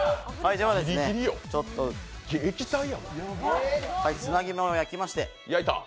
では、ちょっと、つなぎ目を焼きまして。